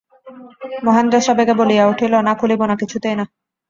মহেন্দ্র সবেগে বলিয়া উঠিল, না খুলিব না, কিছুতেই না।